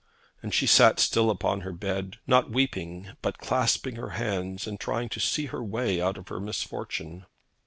And she sat still upon her bed, not weeping, but clasping her hands, and trying to see her way out of her misfortune.